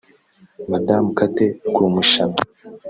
Madamu Kate Rwomushana